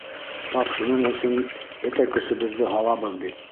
Тап шуның өсөн бөтә көсөбөҙҙө һалабыҙ бит.